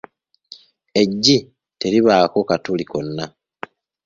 Eggi teribaako katuli konna.